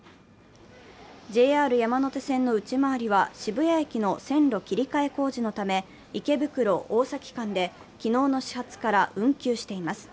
ＪＲ山手線の内回りは、渋谷駅の線路切り替え工事のため池袋−大崎間で昨日の始発から運休しています。